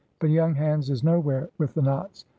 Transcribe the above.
But young hands is nowhere with the knots.